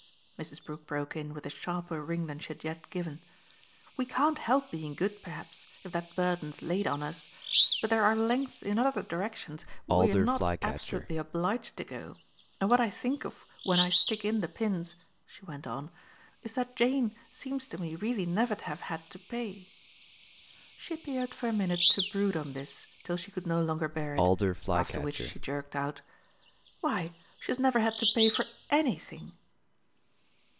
Mrs. Brook broke in with a sharper ring than she had yet given. "We can't help being good perhaps, if that burden's laid on us but there are lengths in other directions we're not absolutely obliged to go. And what I think of when I stick in the pins," she went on, "is that Jane seems to me really never to have had to pay." She appeared for a minute to brood on this till she could no longer bear it; after which she jerked out: "Why she has never had to pay for ANYthing!"